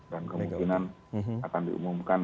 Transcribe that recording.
dan kemungkinan akan diumumkan